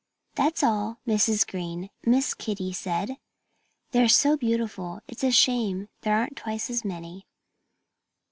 "That's all, Mrs. Green," Miss Kitty said. "They're so beautiful it's a shame there aren't twice as many."